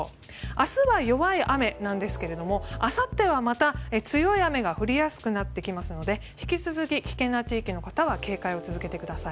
明日は弱い雨なんですがあさってはまた強い雨が降りやすくなってきますので引き続き、危険な地域の方は警戒を続けてください。